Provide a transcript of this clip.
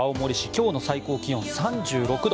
今日の最高気温３６度。